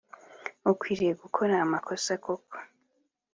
ukwiriye gukora amakosa koko